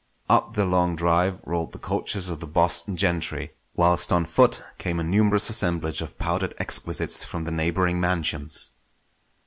Up the long drive rolled the coaches of the Boston gentry, whilst on foot came a numerous assemblage of powdered exquisites from the neighbouring mansions.